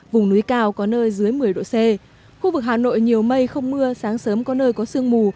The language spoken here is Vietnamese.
vùng núi cao có nơi dưới một mươi độ c khu vực hà nội nhiều mây không mưa sáng sớm có nơi có sương mù